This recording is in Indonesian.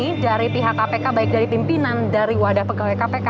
ini dari pihak kpk baik dari pimpinan dari wadah pegawai kpk